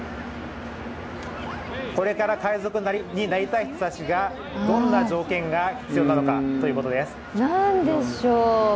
これから海賊になりたい人たちがどんな条件が必要なのかということです。